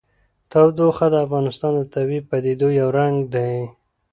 تودوخه د افغانستان د طبیعي پدیدو یو رنګ دی.